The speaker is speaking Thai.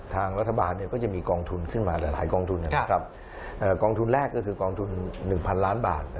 ทางรัฐบาลเนี่ยก็จะมีกองทุนขึ้นมาหลายกองทุนนะครับกองทุนแรกก็คือกองทุน๑๐๐๐ล้านบาทนะครับ